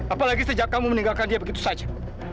apalagi sejak kamu meninggalkan dia begitu saja